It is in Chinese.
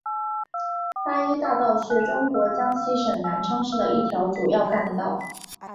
八一大道是中国江西省南昌市的一条主要干道。